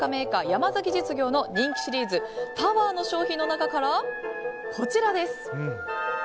山崎実業の人気シリーズｔｏｗｅｒの商品の中からこちらです。